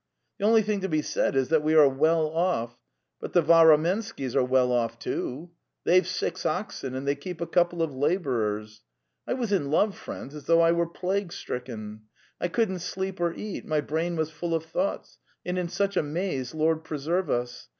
The only thing to be said is that we are well off, but then the Vahramenkys are well off, too. 'They've six oxen, and they keep a couple of labourers. I was in love, friends, as though I were plague stricken. I couldn't sleep or eat; my brain was full of thoughts, and in such a maze, Lord preserve us!